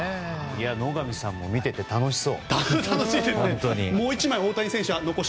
野上さんも見てて楽しそう。